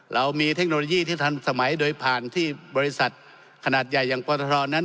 เรามีเทคโนโลยีที่ทันสมัยโดยผ่านที่บริษัทขนาดใหญ่อย่างปตทนั้น